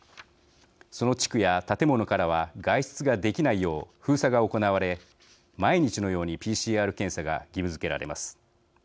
その地区や建物からは外出ができないよう封鎖が行われ毎日のようにＰＣＲ検査が義務づけられます。